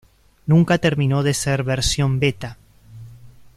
Nunca terminó de ser versión beta.